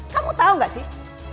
kamu tahu gak sih